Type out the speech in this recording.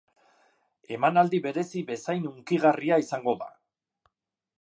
Emanaldi berezi bezain hunkigarria izango da.